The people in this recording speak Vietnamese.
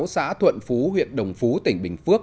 xã thuận phú huyện đồng phú tỉnh bình phước